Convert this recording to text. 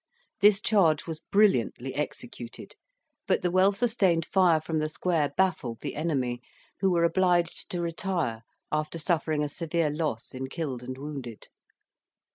This charge was brilliantly executed, but the well sustained fire from the square baffled the enemy, who were obliged to retire after suffering a severe loss in killed and wounded.